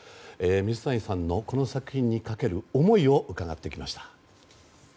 水谷さんのこの作品にかける思いを伺ってきました。